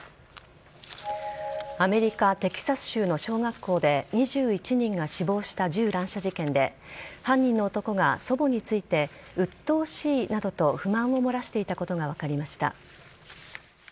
アメリカ・テキサス州の小学校で２１人が死亡した銃乱射事件で犯人の男が祖母についてうっとうしいなどと不満を漏らしていたことが分かりました。